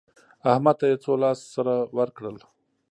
احمد ته يې څو لاس سره ورکړل؟